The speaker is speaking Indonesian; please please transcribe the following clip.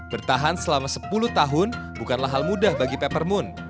bertahan selama sepuluh tahun bukanlah hal mudah bagi peppermint